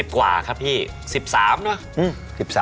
กว่าครับพี่๑๓เนอะ